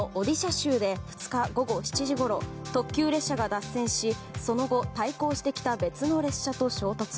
州で２日、午後７時ごろ特急列車が脱線し、その後対向してきた別の列車と衝突。